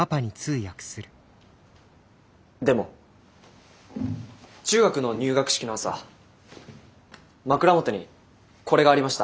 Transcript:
でも中学の入学式の朝枕元にこれがありました。